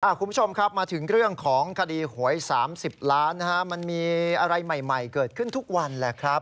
คุณผู้ชมครับมาถึงเรื่องของคดีหวย๓๐ล้านนะฮะมันมีอะไรใหม่เกิดขึ้นทุกวันแหละครับ